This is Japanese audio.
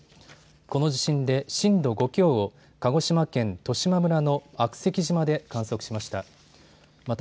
この地震で震度５強を鹿児島県十島村の悪石島で観測しました。